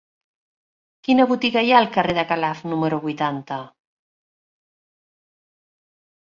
Quina botiga hi ha al carrer de Calaf número vuitanta?